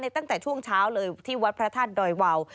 ตั้งแต่ชั่วที่วัดพระทัศน์ดอยว่าว